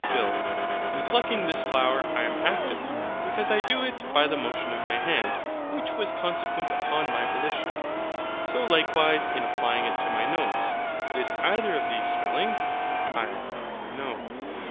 PHIL. In plucking this flower I am active; because I do it by the motion of my hand, which was consequent upon my volition; so likewise in applying it to my nose. But is either of these smelling? HYL. NO.